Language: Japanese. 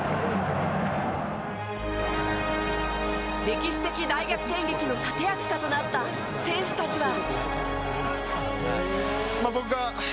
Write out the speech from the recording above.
歴史的大逆転劇の立役者となった選手たちは。